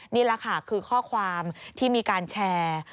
นี่แหละค่ะคือข้อความที่มีการแชร์